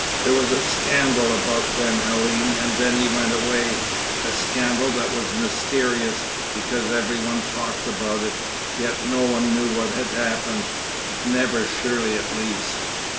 There was a scandal about Ben Halim, and then he went away a scandal that was mysterious, because every one talked about it, yet no one knew what had happened never surely at least."